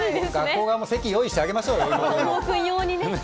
ね、学校側も席、用意してあげましょうよ。